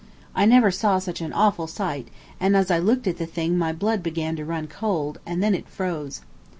I never saw such an awful sight, and as I looked at the thing my blood began to run cold, and then it froze.